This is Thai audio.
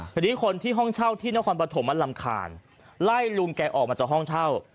ทีนี้คนที่ห้องเช่าที่นครปฐมมันรำคาญไล่ลุงแกออกมาจากห้องเช่า